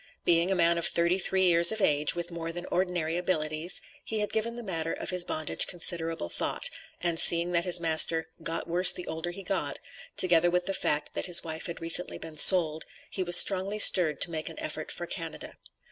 Being a man of thirty three years of age, with more than ordinary abilities, he had given the matter of his bondage considerable thought, and seeing that his master "got worse the older he got," together with the fact, that his wife had recently been sold, he was strongly stirred to make an effort for Canada.